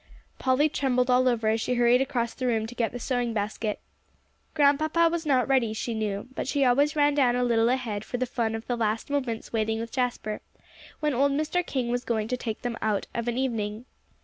Polly trembled all over as she hurried across the room to get the sewing basket. Grandpapa was not ready, she knew; but she always ran down a little ahead for the fun of the last moments waiting with Jasper, when old Mr. King was going to take them out of an evening.